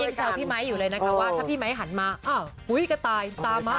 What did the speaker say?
เมื่อกี้เซลล์พี่ไม้อยู่เลยนะครับว่าถ้าพี่ไม้หันมาอ้าวหุ้ยกระต่ายตามมา